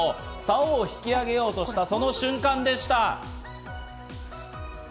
竿を引き上げようとしたその瞬間でした。